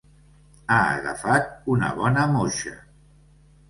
Ha agafat una bona moixa!